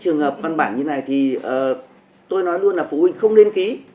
trường hợp văn bản như này thì tôi nói luôn là phụ huynh không nên ký